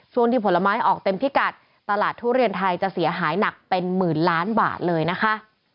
ที่ผลไม้ออกเต็มพิกัดตลาดทุเรียนไทยจะเสียหายหนักเป็นหมื่นล้านบาทเลยนะคะ